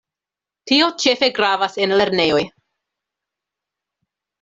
Tio ĉefe gravas en lernejoj.